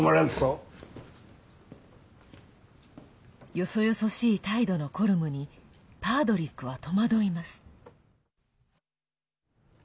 よそよそしい態度のコルムにパードリックは戸惑います。